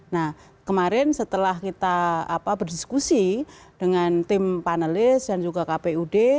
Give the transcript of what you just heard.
nah kemarin setelah kita berdiskusi dengan tim panelis dan juga kpud